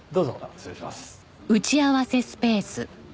失礼します。